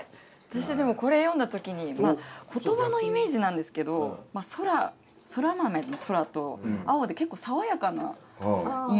私はこれ読んだ時に言葉のイメージなんですけど空そら豆の空と青で結構爽やかな印象を受けましたね。